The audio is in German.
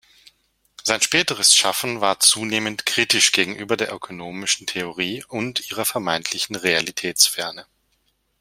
Sein späteres Schaffen war zunehmend kritisch gegenüber der ökonomischen Theorie und ihrer vermeintlichen Realitätsferne.